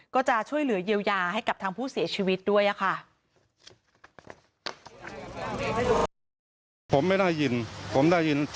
ก็จะช่วยเหลือเยียวยาให้กับทางผู้เสียชีวิตด้วยค่ะ